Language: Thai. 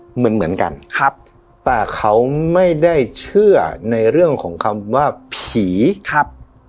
เหมือนกันครับแต่เขาไม่ได้เชื่อในเรื่องของคำว่าผีครับ